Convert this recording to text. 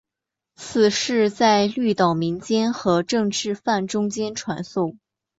此事在绿岛民间和政治犯中间传诵。